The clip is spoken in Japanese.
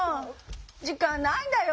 時間ないんだよ。